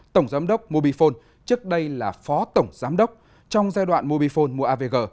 tổng giám đốc mobifone trước đây là phó tổng giám đốc trong giai đoạn mobifone mua avg